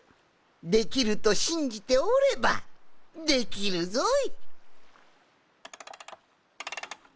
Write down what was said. できるとしんじておればできるぞい！